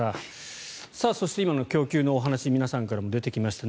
そして今の供給のお話皆さんからも出てきました。